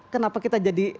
kenapa kita jadi